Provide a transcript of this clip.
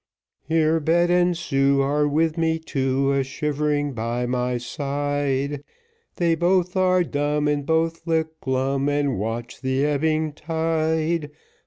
Here Bet and Sue Are with me too, A shivering by my side, They both are dumb, And both look glum, And watch the ebbing tide.